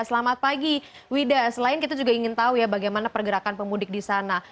selamat pagi wida selain kita juga ingin tahu ya bagaimana pergerakan pemudik di sana